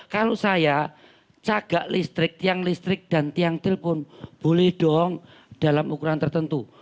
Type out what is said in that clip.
kalau saya cagak listrik tiang listrik dan tiang telepon boleh dong dalam ukuran tertentu